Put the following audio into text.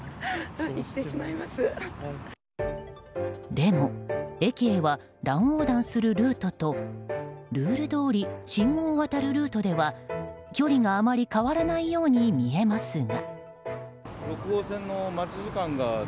でも、駅へは乱横断するルートとルールどおり信号を渡るルートでは距離があまり変わらないように見えますが。